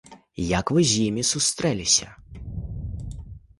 Як вы з імі сустрэліся?